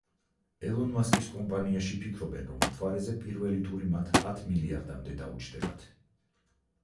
ელონ მასკის კომპანიაში ფიქრობენ, რომ მთვარეზე პირველი ტური მათ ათ მილიარდამდე დაუჯდებათ.